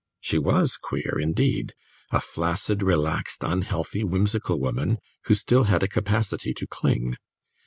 She was queer, indeed a flaccid, relaxed, unhealthy, whimsical woman, who still had a capacity to cling.